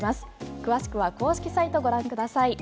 詳しくは公式サイトをご覧ください。